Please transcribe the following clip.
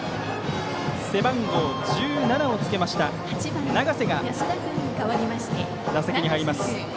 背番号１７をつけました永瀬が打席に入ります。